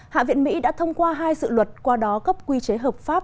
hạ viện mỹ đã thông qua hai dự luật qua đó cấp quy chế hợp pháp